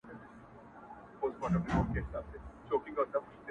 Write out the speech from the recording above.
o پوره اته دانې سمعان ويلي كړل ـ